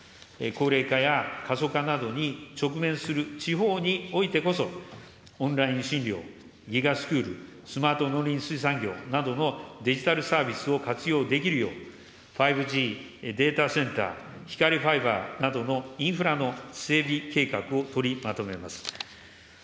高齢化や過疎化などに直面する地方においてこそ、オンライン診療、ＧＩＧＡスクール、スマート農林水産業などのデジタルサービスを活用できるよう、５Ｇ、データセンター、光ファイバーなどのインフラの整備計画を取りまとめます。